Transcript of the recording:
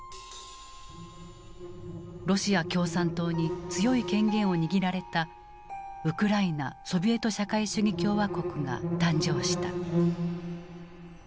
ロシア共産党に強い権限を握られたウクライナ・ソビエト社会主義共和国が誕生した。